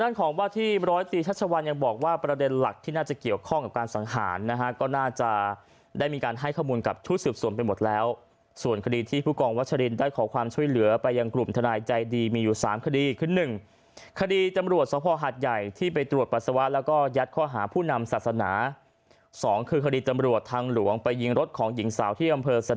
น้องวาชลินตกยิงเสียชีวิตแล้วที่หน้าบ้านให้ผมไปด้วย